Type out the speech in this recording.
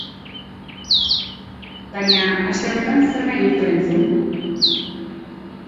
Baina, aste honetan zer nahi duzue entzun?